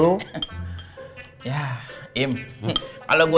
kalo gua inget inget ini kita makan mie instan jadi ula kebujakan lagi ya